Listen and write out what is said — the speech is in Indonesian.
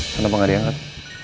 kamu pengadilan kan